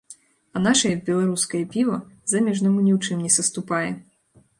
А нашае, беларускае піва, замежнаму ні ў чым не саступае.